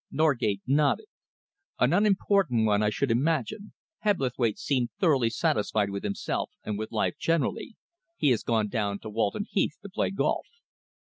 Norgate nodded. "An unimportant one, I should imagine. Hebblethwaite seemed thoroughly satisfied with himself and with life generally. He has gone down to Walton Heath to play golf."